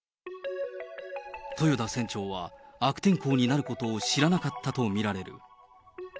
豊田船長は、悪天候になることを知らなかったと見られる。